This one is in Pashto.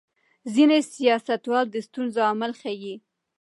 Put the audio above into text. ځینې سیاستوال د ستونزو عامل ښيي.